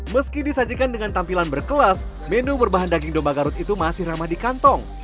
meski disajikan dengan tampilan berkelas menu berbahan daging domba garut itu masih ramah di kantong